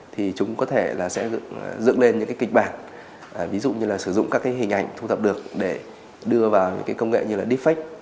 thì chúng có thể là sẽ dựng lên những cái kịch bản ví dụ như là sử dụng các cái hình ảnh thu thập được để đưa vào những cái công nghệ như là deepfake